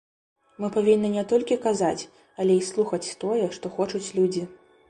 Мы павінны не толькі казаць, але і слухаць тое, што хочуць людзі.